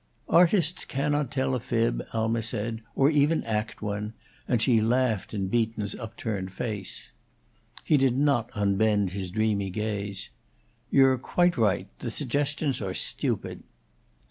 "Artists cannot tell a fib," Alma said, "or even act one," and she laughed in Beaton's upturned face. He did not unbend his dreamy gaze. "You're quite right. The suggestions are stupid."